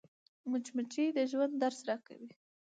مچمچۍ د ژوند درس راکوي